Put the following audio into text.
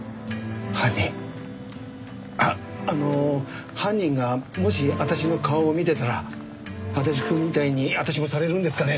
あっあの犯人がもしあたしの顔を見てたら足立くんみたいにあたしもされるんですかね？